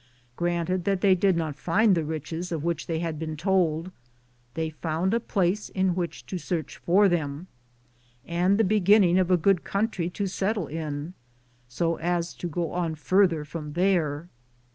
Granted that they did not find the riches of which they had been told, they found a place in which to search for them and the beginning of a good country to settle in, so as to go on farther from there.